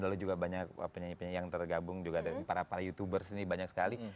lalu juga banyak penyanyi penyanyi yang tergabung juga dari para para youtubers ini banyak sekali